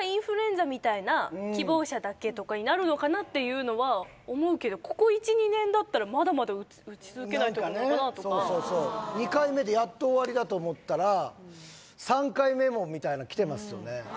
希望者だけとかになるのかなっていうのは思うけどここ１２年だったらまだまだ打ち続けないとなのかなとか２回目でやっと終わりだと思ったら３回目もみたいなきてますよね？